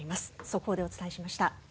速報でお伝えしました。